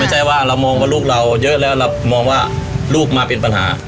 ไม่ใช่ว่าเรามองว่าลูกเราเยอะแล้วเรามองว่าลูกมาเป็นปัญหา